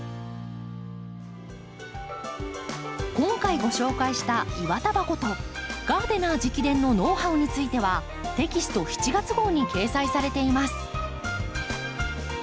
今回ご紹介したイワタバコとガーデナー直伝のノウハウについてはテキスト７月号に掲載されています。